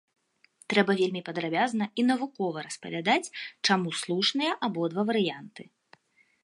Трэба вельмі падрабязна і навукова распавядаць, чаму слушныя абодва варыянты.